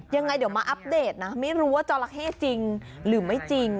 ยังไงเดี๋ยวมาอัปเดตนะไม่รู้ว่าจราเข้จริงหรือไม่จริง